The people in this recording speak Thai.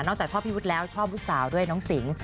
จากชอบพี่วุฒิแล้วชอบลูกสาวด้วยน้องสิง